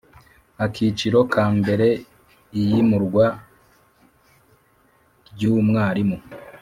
Akiciro ka mbere Iyimurwa ry umwarimu